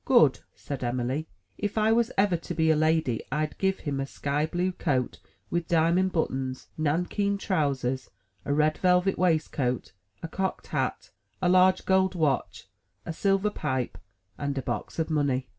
'' *'Good?" said Em'ly. "If I was ever to be a lady, I'd give him a sky blue coat with diamond buttons, nankeen trousers, a red velvet waistcoat, a cocked hat, a large gold watch, a silver pipe, and a box of money."